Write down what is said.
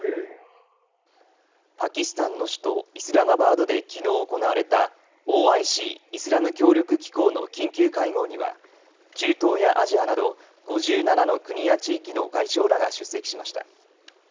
パキスタンの首都イスラマバードできのう行われたＯＩＣ・イスラム協力機構の緊急会合には中東やアジアなど５７の国や地域の外相らが出席しました。